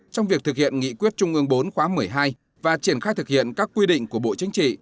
trong việc thực hiện nghị quyết trung ương bốn khóa một mươi hai và triển khai thực hiện các quy định của bộ chính trị